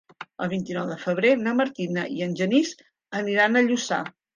El vint-i-nou de febrer na Martina i en Genís aniran a Lluçà.